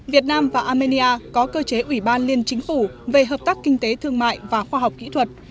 việt nam và armenia có cơ chế ủy ban liên chính phủ về hợp tác kinh tế thương mại và khoa học kỹ thuật